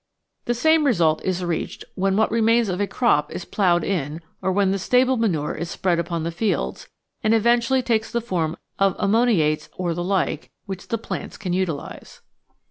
The same result is reached when what remains of a crop is ploughed in or when the stable manure is spread upon the fields, and eventually takes the form of ammoniates or the like, which the plants can utilise.